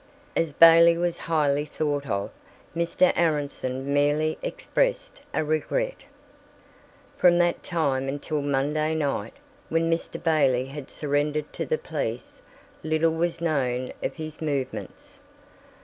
As Bailey was highly thought of, Mr. Aronson merely expressed a regret. From that time until Monday night, when Mr. Bailey had surrendered to the police, little was known of his movements.